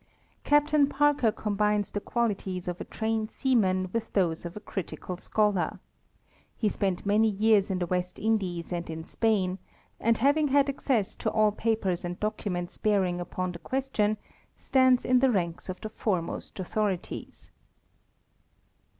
Captain Parker combines the qualities of a trained seaman with those of a critical scholar. He spent many years in the West Indies and in Spain, and having had access to all papers and documents bearing upon the question, stands in the ranks of the foremost authorities.